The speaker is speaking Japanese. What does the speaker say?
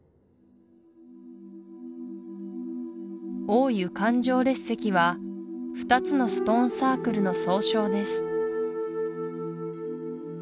大湯環状列石は２つのストーン・サークルの総称です